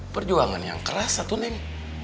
perjuangan yang keras satu neng